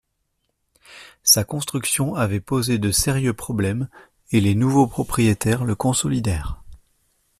Sa construction avait posé de sérieux problèmes et les nouveaux propriétaires le consolidèrent.